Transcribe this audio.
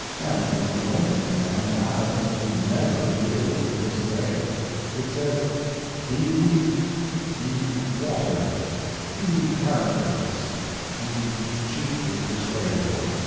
And it was the only command Adam would NEVER be able to disobey. It said, "Be weak, be water, be characterless, be cheaply persuadable."